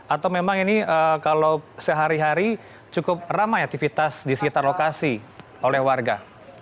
atau memang ini kalau sehari hari cukup ramai aktivitas di sekitar lokasi oleh warga